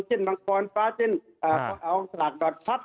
เช่นมังกรฟ้าเช่นกองสลากพัด